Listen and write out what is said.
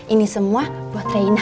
ini semua buat reina